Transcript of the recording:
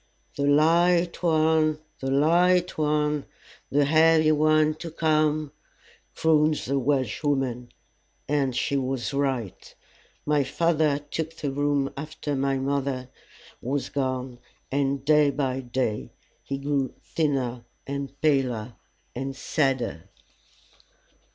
"The light one, the light one the heavy one to come," crooned the Welshwoman. And she was right. My father took the room after my mother was gone, and day by day he grew thinner and paler and sadder.